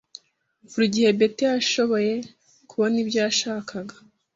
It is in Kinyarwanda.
Buri gihe Betty yashoboye kubona ibyo yashakaga.